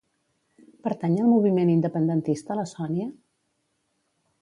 Pertany al moviment independentista la Sònia?